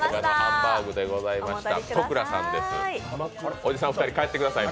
おじさん２人帰ってください、